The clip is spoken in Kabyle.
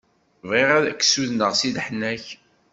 Bɣiɣ ad k-sudenɣ di leḥnak.